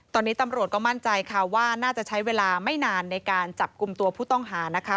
ตอนนี้ตำรวจก็มั่นใจค่ะว่าน่าจะใช้เวลาไม่นานในการจับกลุ่มตัวผู้ต้องหานะคะ